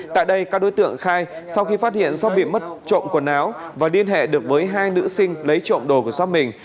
tại đây các đối tượng khai sau khi phát hiện do bị mất trộm quần áo và liên hệ được với hai nữ sinh lấy trộm đồ của xót mình